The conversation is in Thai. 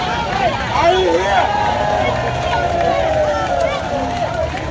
เฮียเฮียเฮีย